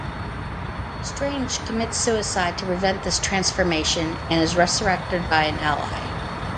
Strange commits suicide to prevent this transformation and is resurrected by an ally.